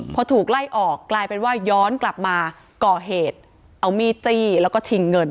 พอถูกไล่ออกกลายเป็นว่าย้อนกลับมาก่อเหตุเอามีดจี้แล้วก็ชิงเงิน